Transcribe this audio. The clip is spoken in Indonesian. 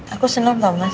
aku seneng tau mas